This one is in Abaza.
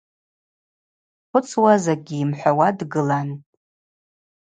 Дхъвыцуа, закӏгьи йымхӏвауа дгылан.